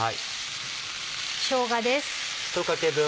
しょうがです。